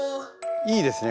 いいですね